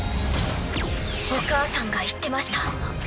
お母さんが言ってました。